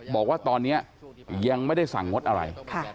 บอกว่าตอนนี้ยังไม่ได้สั่งงดอะไร